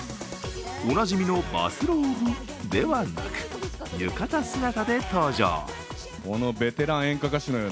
おなじみのバスローブではなく浴衣姿で登場。